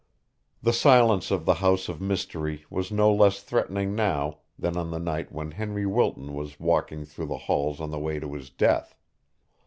The silence of the house of mystery was no less threatening now than on the night when Henry Wilton was walking through the halls on the way to his death.